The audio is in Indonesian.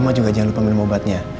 aku mau minum obatnya